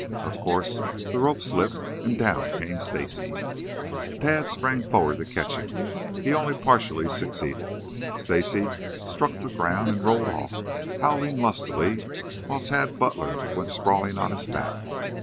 Of course the rope slipped, and down came Stacy. Tad sprang forward to catch him. He only partially succeeded. Stacy struck the ground and rolled off, howling lustily, while Tad Butler went sprawling on his back.